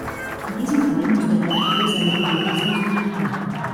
In diesem Fall muss der Hersteller seiner Gewährleistungspflicht nachkommen.